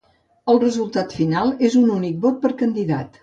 El resultat final és un únic vot per candidat.